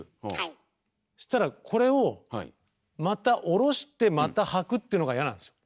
そしたらこれをまた下ろしてまたはくっていうのが嫌なんですよ。